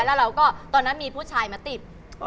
แล้วเราก็ตอนนั้นมีผู้ชายมาติด